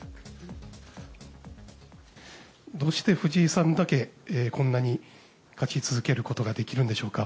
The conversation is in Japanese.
どうして藤井さんだけこんなに勝ち続けることができるんでしょうか。